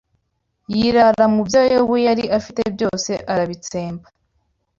yirara mu byo Yobu yari afite byose arabitsemba